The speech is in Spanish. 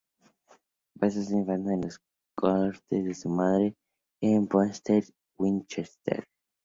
Pasó su infancia en las cortes de su madre en Poitiers y Winchester.